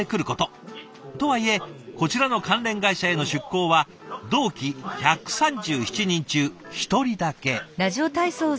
とはいえこちらの関連会社への出向は同期１３７人中１人だけ。